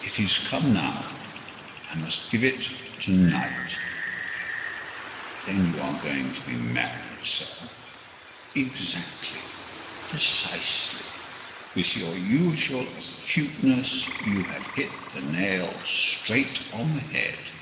"It is come now—I must give it to night." "Then you are going to be married, sir?" "Ex act ly—pre cise ly: with your usual acuteness, you have hit the nail straight on the head."